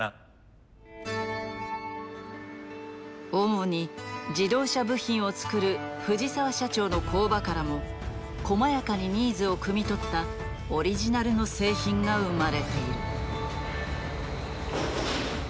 主に自動車部品を作る藤澤社長の工場からも細やかにニーズをくみ取ったオリジナルの製品が生まれている。